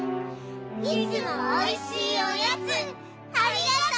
いつもおいしいおやつありがとう！